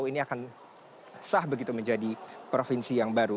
ini akan sah begitu menjadi provinsi yang baru